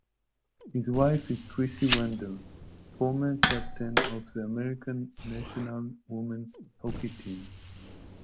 His wife is Krissy Wendell, former captain of the American national women's hockey team.